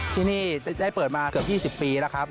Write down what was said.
ที่นี่ได้เปิดมาเกือบ๒๐ปีแล้วครับ